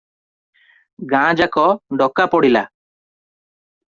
ଗାଁଯାକ ଡକା ପଡିଗଲା ।